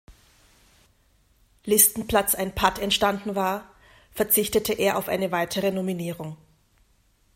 Listenplatz ein Patt entstanden war, verzichtete er auf eine weitere Nominierung.